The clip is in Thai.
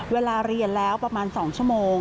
เวลาเรียนแล้วประมาณ๒ชั่วโมง